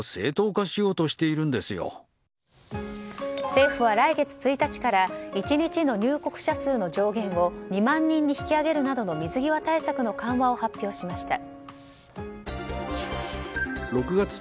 政府は来月１日から１日の入国者数の上限を２万人に引き上げるなどの水際対策の緩和を発表しました。